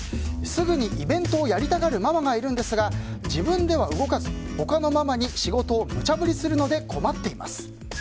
すぐにイベントをやりたがるママがいるんですが自分では動かず、他のママに仕事をむちゃ振りするので困っています。